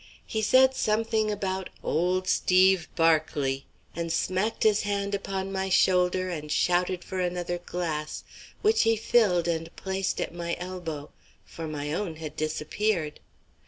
He said something about "Old Steve Berkeley," and smacked his hand upon my shoulder, and shouted for another glass, which he filled and placed at my elbow, for my own had disappeared.